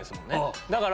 だから。